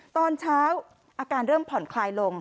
ตอนเช้าอาการเริ่มผ่อนคลายลง